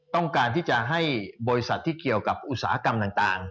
ต้องการที่จะให้บริษัทที่เกี่ยวกับอุตสาหกรรมต่าง